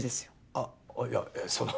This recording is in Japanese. あっいやその。